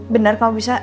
bener kamu bisa